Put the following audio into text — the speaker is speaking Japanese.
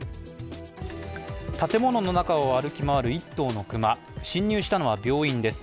建物の中を歩き回る１頭の熊、侵入したのは病院です。